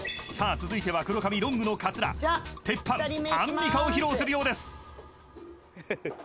［続いては黒髪ロングのカツラ］［鉄板アンミカを披露するようです］